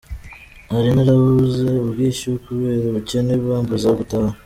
Nari narabuze ubwishyu kubera ubukene, bambuza gutaha.